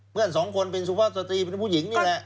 เมื่อนสองคนสุภาพสตรีเพื่อนผู้หญิงเนี่ยเลย